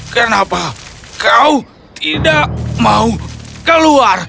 kenapa kau tidak mau keluar